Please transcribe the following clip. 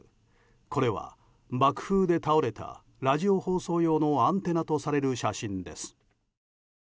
これは爆風で倒れたラジオ放送用のアンテナとされる写真です。